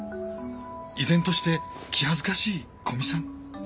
依然として気恥ずかしい古見さん。